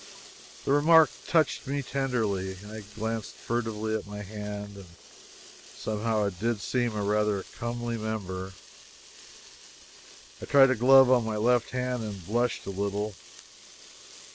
The remark touched me tenderly. I glanced furtively at my hand, and somehow it did seem rather a comely member. I tried a glove on my left and blushed a little.